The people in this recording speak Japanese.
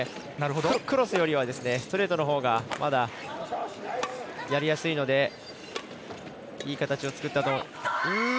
クロスよりはストレートのほうがまだやりやすいのでいい形を作ったと。